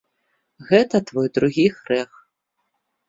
Гэта твой другі грэх.